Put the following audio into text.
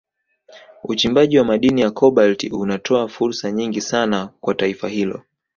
Uchimbaji wa madini ya Kobalti unatoa fursa nyingi sana kwa taifa hilo